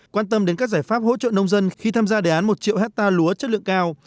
quan tâm đến các giải pháp hỗ trợ nông dân khi tham gia đề án một triệu hectare lúa chất lượng cao